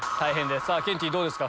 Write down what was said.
ケンティーどうですか？